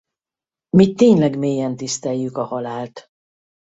Mi tényleg mélyen tiszteljük a halált.